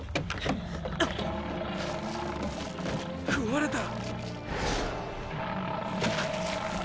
喰われた。